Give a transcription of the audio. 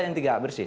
yang tiga bersih